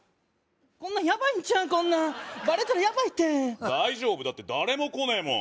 こんなんヤバいんちゃうこんなんバレたらヤバいって大丈夫だって誰も来ねえもん